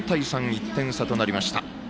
１点差となりました。